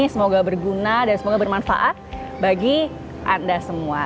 semoga berguna dan semoga bermanfaat bagi anda semua